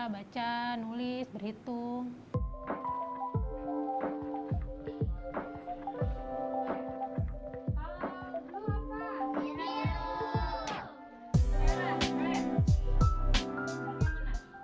baca nulis berhitung